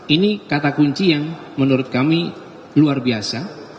ini kata kunci yang menurut kami luar biasa